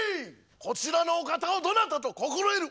こちらのお方をどなたと心得る。